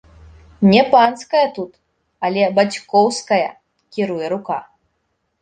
Не панская тут, але бацькоўская кіруе рука!